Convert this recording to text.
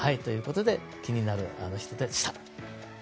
気になるアノ人でした。